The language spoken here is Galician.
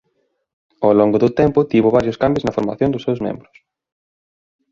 Ao longo do tempo tivo varios cambios na formación dos seus membros.